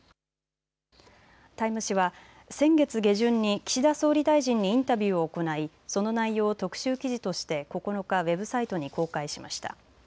タイム誌は先月下旬に岸田総理大臣にインタビューを行い、その内容を特集記事として９日、ウェブサイトに公開しました。